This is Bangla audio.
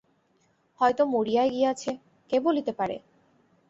হয়তো মরিয়াই গিয়াছেঃ কে বলিতে পারে?